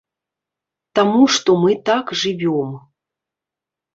Таму што мы так жывём.